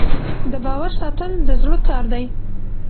د باور ساتل د زړه کار دی.